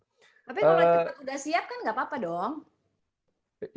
tapi kalau cepat udah siap kan nggak apa apa dong